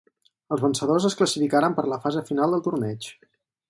Els vencedors es classificaren per la fase final del torneig.